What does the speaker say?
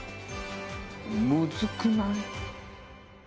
むずくない？